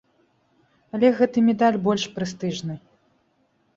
Але гэты медаль больш прэстыжны.